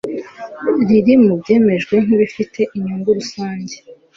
riri mu byemejwe nk ibifite inyungu rusange